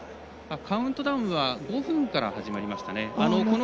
カウントダウンは５分から始まりましたね。